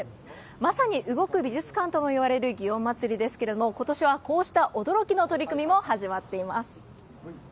まさに動く美術館ともいわれる祇園祭ですけれども、ことしはこうした驚きの取り組みも始まっています。